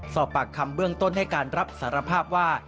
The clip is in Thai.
สอบปากคำเบื้องต้นให้การรับสารภาพว่า